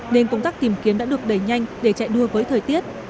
nên công tác tìm kiếm đã được đẩy nhanh để chạy đua với thời tiết